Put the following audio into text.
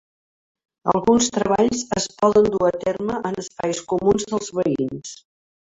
Alguns treballs es poden dur a terme en espais comuns dels veïns.